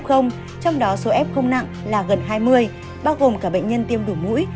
trong đó số f không nặng là gần hai mươi bao gồm cả bệnh nhân tiêm đủ mũi